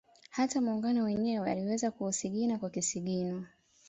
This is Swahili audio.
Hata Muungano wenyewe aliweza kuusigina kwa kisigino